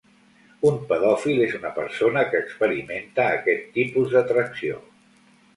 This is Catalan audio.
Un pedòfil és una persona que experimenta aquest tipus d'atracció.